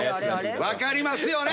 分かりますよね？